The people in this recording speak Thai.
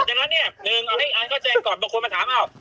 เออดังนั้นเนี่ยเออเอาอีกอันก็แจงก่อนบางคนมาถามอ้าว